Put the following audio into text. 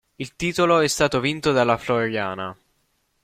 Il titolo è stato vinto dal Floriana